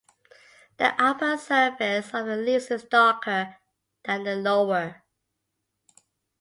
The upper surface of the leaves is darker than the lower.